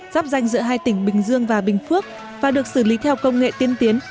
giáp danh giữa hai tỉnh bình dương và bình phước và được xử lý theo công nghệ tiên tiến